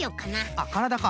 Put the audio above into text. あっからだか。